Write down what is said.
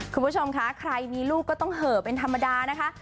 คุณผู้ชมคะใครมีลูกก็ต้องเหอะเป็นธรรมดานะคะ